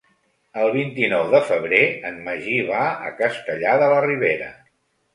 El vint-i-nou de febrer en Magí va a Castellar de la Ribera.